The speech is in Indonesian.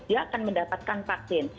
dia akan mendapatkan vaksin